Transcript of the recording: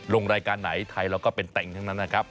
ลงรายการไหนไทยเราก็เป็นแต่งทั้งนั้นนะครับ